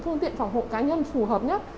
phương tiện phòng hộ cá nhân phù hợp nhất